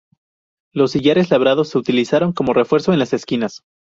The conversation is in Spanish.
Los sillares labrados se utilizaron como refuerzo en las esquinas.